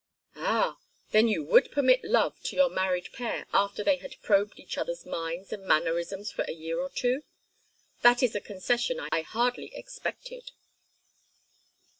"Ah! Then you would permit love to your married pair after they had probed each other's minds and mannerisms for a year or two? That is a concession I hardly expected."